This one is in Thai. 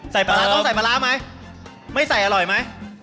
ปลาร้าต้องใส่ปลาร้าไหมไม่ใส่อร่อยไหม